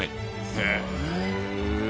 へえ。